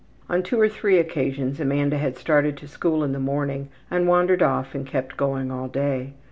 On two or three occasions Amanda has started to school in the morning and wandered off and kept going all day.